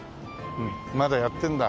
まだやってんだ。